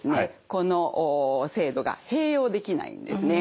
この制度が併用できないんですね。